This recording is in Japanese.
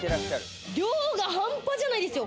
量が半端じゃないですよ。